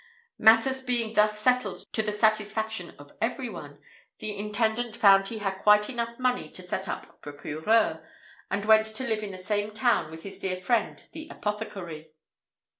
Matters being thus settled to the satisfaction of every one, the intendant found he had quite enough money to set up procureur, and went to live in the same town with his dear friend the apothecary."